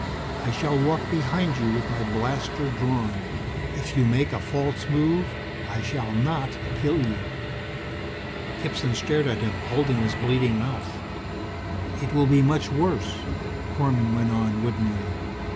"I shall walk behind you with my blaster drawn. If you make a false move, I shall not kill you." Gibson stared at him, holding his bleeding mouth. "It will be much worse," Korman went on woodenly.